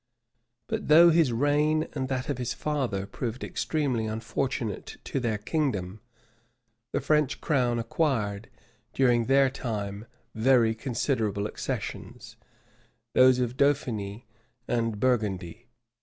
But though both his reign and that of his father proved extremely unfortunate to their kingdom, the French crown acquired, during their time, very considerable accessions those of Dauphiny and Burgundy.